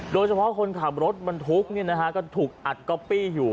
โดยเฉพาะคนขับรถบรรทุกก็ถูกอัดก๊อปปี้อยู่